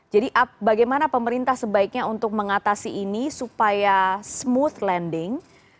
jadi bagaimana pemerintah sebaiknya untuk mengatasi ini supaya smooth landing